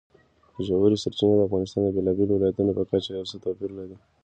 ژورې سرچینې د افغانستان د بېلابېلو ولایاتو په کچه یو څه توپیر لري.